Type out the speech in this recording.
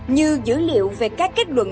như dữ liệu về các kết luận